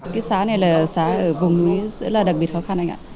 cái xá này là xá ở vùng núi rất là đặc biệt khó khăn anh ạ